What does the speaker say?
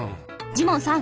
ジモンさん